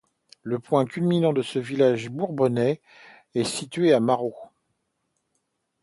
Le point culminant de ce village bourbonnais est situé aux Marauds.